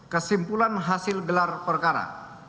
kesimpulan hasil gelar perkara